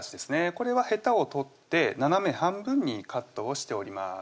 これはへたを取って斜め半分にカットをしております